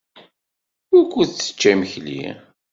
Wukud tečča imekli?